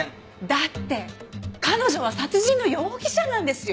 だって彼女は殺人の容疑者なんですよ？